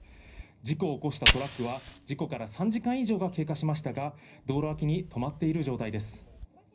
事故を起こしたトラックは、事故から３時間以上が経過しましたが、道路脇に止まっている状態です。